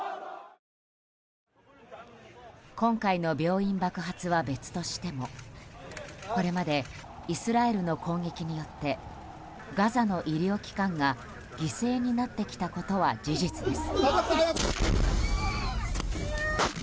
今回の病院爆撃は別としてもこれまでイスラエルの攻撃によってガザの医療機関が犠牲になってきたことは事実です。